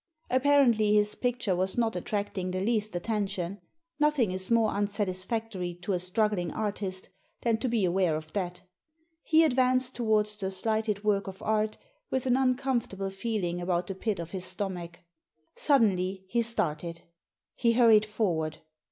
Apparently his picture was not attracting the least attention — nothing is more unsatisfactory to a struggling artist than to be aware of that He advanced towards the slighted work of art with an uncomfortable feeling about the pit of his stomach. Suddenly he started. He hurried forward.